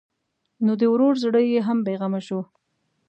نو د ورور زړه یې هم بېغمه شو.